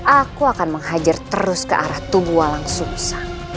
aku akan menghajar terus ke arah tubuh walang sungsang